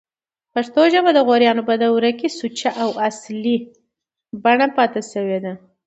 پښتو ژبه دغوریانو په دوره کښي سوچه او په اصلي بڼه پاته سوې ده.